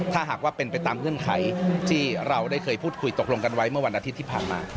ที่เราเคยพูดคุยกันไว้เมื่อวันอาทิตย์ที่ผ่านมา